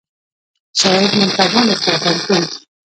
صاحب منصبان استخدام کړي.